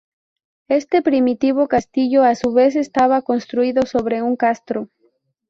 Este primitivo castillo a su vez estaba construido sobre un castro.